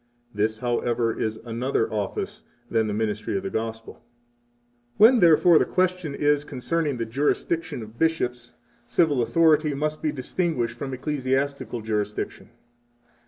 This, however, is another office than the ministry of the Gospel. 20 When, therefore, the question is concerning the jurisdiction of bishops, civil authority must be distinguished from 21 ecclesiastical jurisdiction.